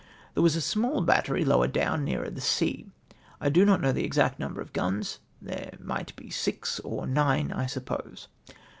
There was a small battery lower down, nearer the sea. I do not know the exact number of guns ; there might be six or nine, I suppose.